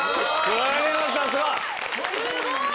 すごい！